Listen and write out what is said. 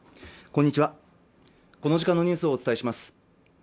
こんにちはこの時間のニュースをお伝えします